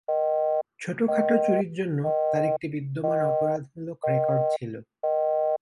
ছোটখাটো চুরির জন্য তার একটি বিদ্যমান অপরাধমূলক রেকর্ড ছিল।